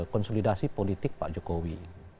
konsolidasi politik pak jokowi